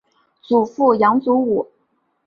祖父杨祖武。